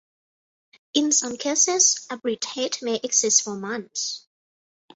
In some cases a bridgehead may exist for months.